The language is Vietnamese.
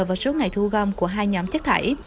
và số ngày thu gom của hai nhóm chất thải